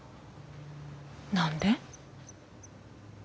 何で？